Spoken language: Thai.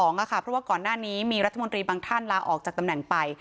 เพราะว่าก่อนหน้านี้มีรัฐมนตรีบางท่านลาออกจากตำแหน่งไป